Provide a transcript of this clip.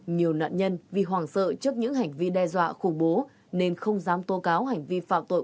nhiều nạn nhân vì hoàng sợ trước những hành vi đe dọa khủng bố nên không dám tô cáo